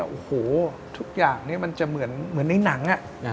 โอ้โหทุกอย่างนี้มันจะเหมือนในหนัง